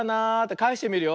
かえしてみるよ。